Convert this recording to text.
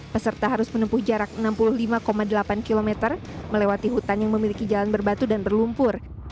peserta harus menempuh jarak enam puluh lima delapan km melewati hutan yang memiliki jalan berbatu dan berlumpur